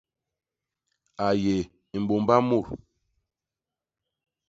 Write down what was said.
A yé mbômba mut.